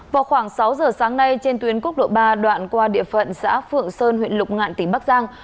vào khoảng sáu giờ sáng nay trên tuyến quốc lộ ba đoạn qua địa phận xã phượng sơn huyện lục ngạn tỉnh bắc giang